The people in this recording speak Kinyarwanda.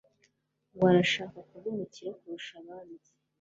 ngo arashaka kuba umukire kurusha abandi